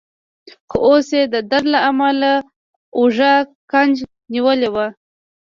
خو اوس يې د درد له امله اوږه کج نیولې وه.